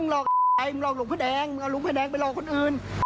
มึงหลอกลุงพระแดงมึงหลอกลุงพระแดงไปหลอกคนอื่น